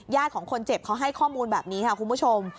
ของคนเจ็บเขาให้ข้อมูลแบบนี้ค่ะคุณผู้ชม